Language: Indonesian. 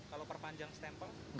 kalau perpanjang stempel